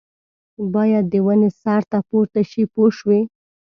باید د ونې سر ته پورته شي پوه شوې!.